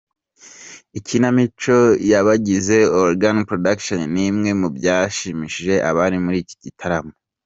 Ikinamico y'abagize Oregon Production ni imwe mubyashimishije abari muri iki gitaramo.